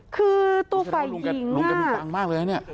คือตู้ไฟหญิง